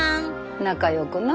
仲よくな。